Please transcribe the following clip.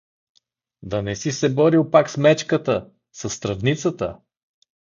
Да не си се борил пак с мечката, със стръвницата?